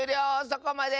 そこまで！